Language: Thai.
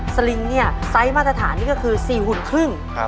สลิงเนี่ยไซส์มาตรฐานนี่ก็คือ๔หุ่นครึ่ง